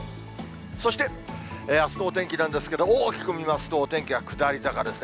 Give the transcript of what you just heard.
そして、あすのお天気なんですけど、大きく見ますと、お天気は下り坂ですね。